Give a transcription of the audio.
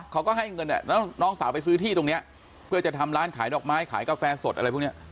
เขาก็ให้เงินเนี่ยแล้วน้องสาวไปซื้อที่ตรงเนี้ยเพื่อจะทำร้านขายดอกไม้ขายกาแฟสดอะไรพวกเนี้ย